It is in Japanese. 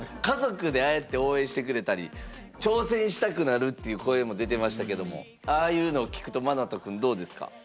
家族でああやって応援してくれたり挑戦したくなるっていう声も出てましたけどもああいうの聞くとＭＡＮＡＴＯくんどうですか？